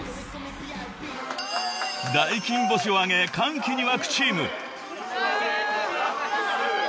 ［大金星を挙げ歓喜に沸くチーム］